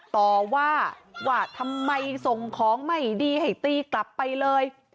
ต่อว่าว่าทำไมส่งของไม่ดีให้ตีกลับไปเลย